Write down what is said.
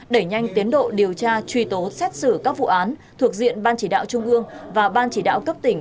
đẩy nhanh tiến độ điều tra truy tố xét xử các vụ án thuộc diện ban chỉ đạo trung ương và ban chỉ đạo cấp tỉnh